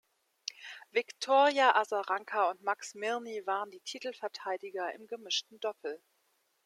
Wiktoryja Asaranka und Max Mirny waren die Titelverteidiger im gemischten Doppel.